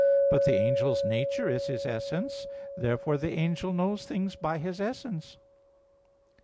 But the angel's nature is his essence. Therefore the angel knows things by his essence.